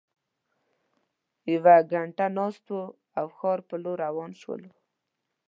یوه ګینټه ناست وو او ښار په لور روان شولو.